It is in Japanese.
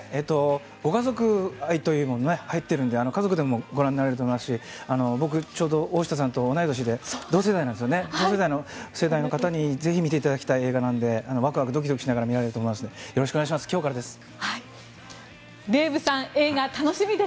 ご家族愛というのも入っているので家族でもご覧になれると思いますし僕、大下さんと同い年で同世代の方にぜひ見ていただきたい映画なのでワクワクドキドキしながら見られると思いますのでよろしくお願いします。今日からです。